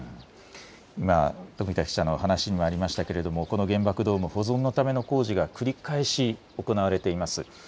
今、富田記者の話にもありましたけれどもこの原爆ドーム、保存のための工事が繰り返し行われています。